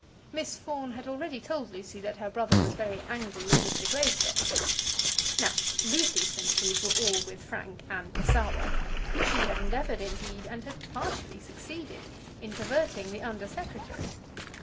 Miss Fawn had already told Lucy that her brother was very angry with Mr. Greystock. Now, Lucy's sympathies were all with Frank and the Sawab. She had endeavoured, indeed, and had partially succeeded, in perverting the Under Secretary.